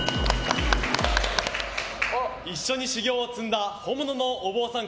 一緒に修行を積んだ本物のお坊さん